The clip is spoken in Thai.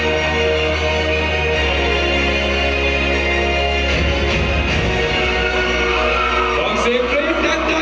เมื่อเวลาอันดับสุดท้ายมันกลายเป้าหมายเป้าหมาย